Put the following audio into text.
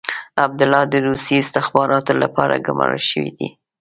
عبدالله د روسي استخباراتو لپاره ګمارل شوی دی.